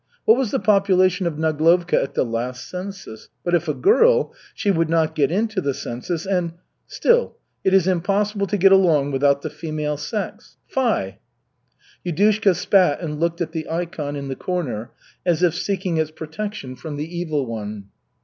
What was the population of Naglovka at the last census? But if a girl, she would not get into the census, and Still, it is impossible to get along without the female sex. Fie!" Yudushka spat and looked at the ikon in the corner, as if seeking its protection from the Evil One.